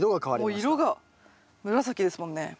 もう色が紫ですもんね。